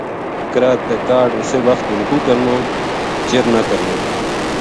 قرات تے کاہڈ اسے وخت رکوع کرنو، چر نہ کرنو۔